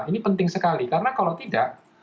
ini penting sekali karena kalau tidak